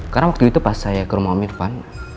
karena waktu itu pas saya ke rumah om irfan